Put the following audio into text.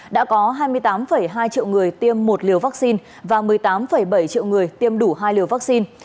đã có hai mươi tám hai triệu người tiêm một liều vaccine và một mươi tám bảy triệu người tiêm đủ hai liều vaccine